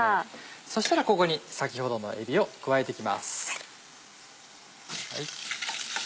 そしたらここに先ほどのえびを加えて行きます。